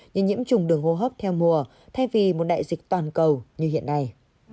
như nhiễm trùng đường hô hấp theo mùa thay vì một đại dịch toàn cầu như hiện nay